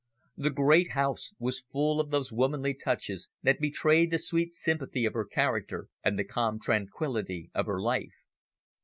The great house was full of those womanly touches that betrayed the sweet sympathy of her character and the calm tranquillity of her life.